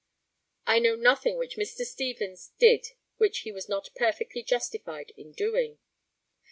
I know nothing which Mr. Stevens did which he was not perfectly justified in doing.